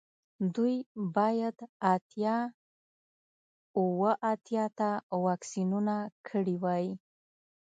دوی باید اتیا اوه اتیا ته واکسینونه کړي وای